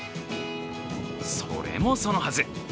それもそのはず。